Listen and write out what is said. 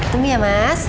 tunggu ya mas